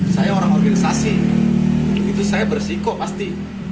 saya orang organisasi itu saya bersiko pasti